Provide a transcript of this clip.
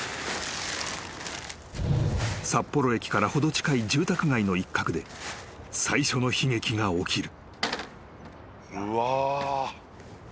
［札幌駅から程近い住宅街の一角で最初の悲劇が起きる］